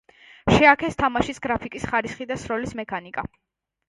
შეაქეს თამაშის გრაფიკის ხარისხი და სროლის მექანიკა.